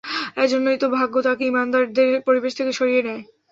এজন্যই তো ভাগ্য তাকে ঈমানদারদের পরিবেশ থেকে সরিয়ে নেয়।